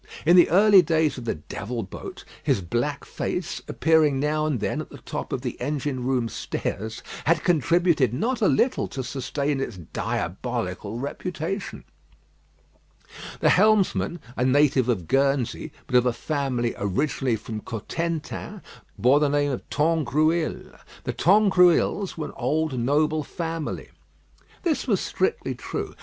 In the early days of the "Devil Boat," his black face, appearing now and then at the top of the engine room stairs, had contributed not a little to sustain its diabolical reputation. The helmsman, a native of Guernsey, but of a family originally from Cotentin, bore the name of Tangrouille. The Tangrouilles were an old noble family. This was strictly true.